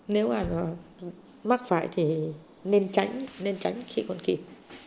nếu mà mắc phải thì nên tránh nên tránh khi con kịp